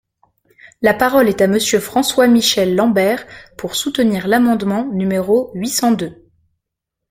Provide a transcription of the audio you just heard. La parole est à Monsieur François-Michel Lambert, pour soutenir l’amendement numéro huit cent deux.